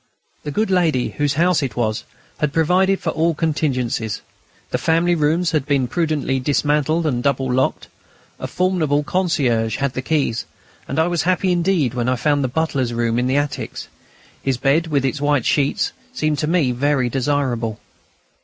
The good lady whose house it was had provided for all contingencies; the family rooms had been prudently dismantled and double locked. A formidable concierge had the keys, and I was happy indeed when I found the butler's room in the attics. His bed, with its white sheets, seemed to me very desirable.